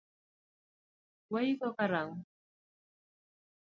Waiko karango